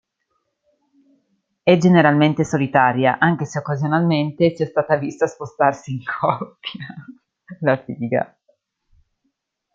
È generalmente solitaria, anche se occasionalmente sia stata vista spostarsi in coppia.